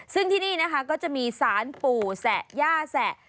ซึ่งที่นี่นะคะก็จะมีสารปู่แสะย่าแสะ